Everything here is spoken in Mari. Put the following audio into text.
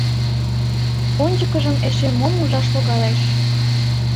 Ончыкыжым эше мом ужаш логалеш?